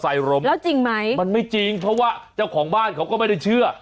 ทำให้เธอน่ะรถมอเตอร์ไซล์รมแล้วจริงไหมมันไม่จริงเพราะว่าเจ้าของบ้านเขาก็ไม่ได้เชื่อ